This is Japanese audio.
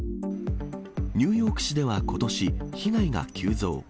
ニューヨーク市ではことし、被害が急増。